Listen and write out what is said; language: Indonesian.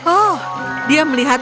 oh dia melihat